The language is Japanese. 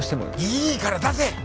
いいから出せ！